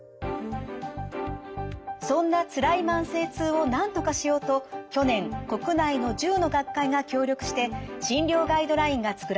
そんなつらい慢性痛をなんとかしようと去年国内の１０の学会が協力して診療ガイドラインが作られました。